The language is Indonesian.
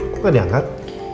kok gak diangkat